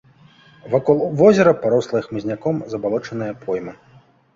Вакол возера парослая хмызняком забалочаная пойма.